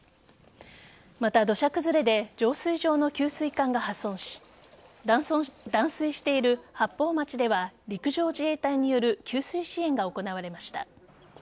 また、土砂崩れで浄水場の給水管が破損し断水している八峰町では陸上自衛隊による給水支援が行われました。